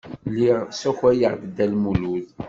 Lliɣ ssakayeɣ-d Dda Lmulud.